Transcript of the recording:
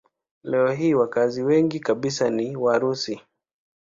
Leo hii wakazi wengi kabisa ni Warusi.